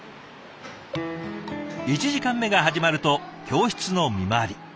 １時間目が始まると教室の見回り。